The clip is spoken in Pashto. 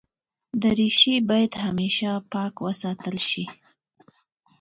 دریشي باید همېشه پاک وساتل شي.